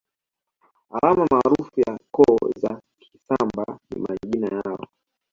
Alama maarufu ya koo za Kisambaa ni majina yoa